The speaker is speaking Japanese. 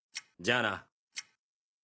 じゃあな。